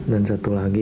dan satu lagi